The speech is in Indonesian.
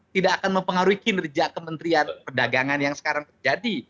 tidak akan mempengaruhi kinerja kementerian perdagangan yang sekarang terjadi